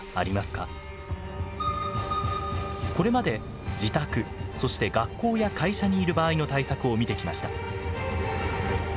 これまで自宅そして学校や会社にいる場合の対策を見てきました。